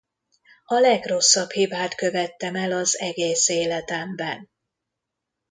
A legrosszabb hibát követtem el az egész életemben.